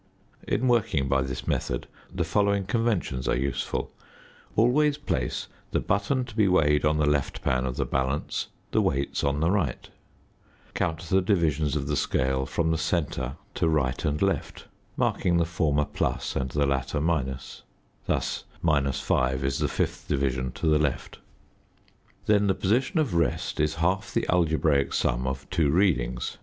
In working by this method the following conventions are useful: Always place the button to be weighed on the left pan of the balance, the weights on the right; count the divisions of the scale from the centre to right and left, marking the former + and the latter ; thus 5 is the fifth division to the left. Then the position of rest is half the algebraic sum of two readings.